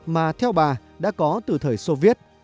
mà theo bà đã có từ thời soviet